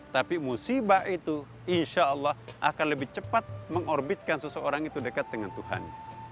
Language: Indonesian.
tapi musibah itu insya allah akan lebih cepat mengorbitkan seseorang itu dekat dengan tuhan